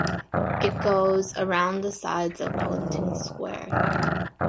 It goes around the sides of Wellington Square.